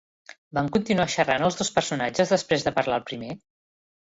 Van continuar xerrant els dos personatges després de parlar el primer?